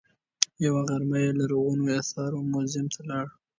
یوه غرمه یې لرغونو اثارو موزیم ته لاړ.